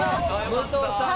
武藤さん